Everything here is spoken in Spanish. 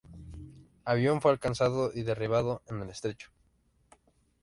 Avión fue alcanzado y derribado en el estrecho".